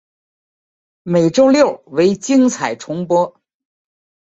每周六为精彩重播。